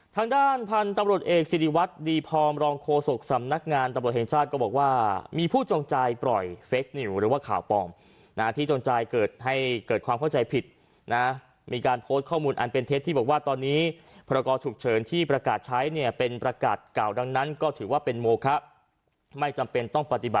ทางด้านพันธุ์ตำรวจเอกสิริวัตรดีพร้อมรองโฆษกสำนักงานตำรวจแห่งชาติก็บอกว่ามีผู้จงใจปล่อยเฟคนิวหรือว่าข่าวปลอมนะที่จงใจเกิดให้เกิดความเข้าใจผิดนะมีการโพสต์ข้อมูลอันเป็นเท็จที่บอกว่าตอนนี้พรกรฉุกเฉินที่ประกาศใช้เนี่ยเป็นประกาศเก่าดังนั้นก็ถือว่าเป็นโมคะไม่จำเป็นต้องปฏิบั